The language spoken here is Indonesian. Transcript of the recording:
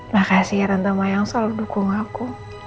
makasih ya rentemayang selalu dukung aku